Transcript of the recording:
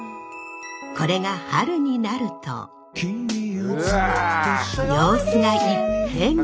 これが春になると様子が一変！